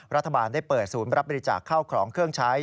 รัฐบาลได้เปิดศูนย์รับบริจาคเข้าของเครื่องใช้